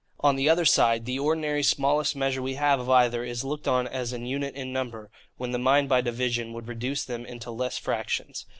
On the other side, the ordinary smallest measure we have of either is looked on as an unit in number, when the mind by division would reduce them into less fractions.